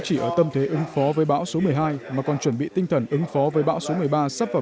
chỉ ở tâm thế ứng phó với bão số một mươi hai mà còn chuẩn bị tinh thần ứng phó với bão số một mươi ba sắp vào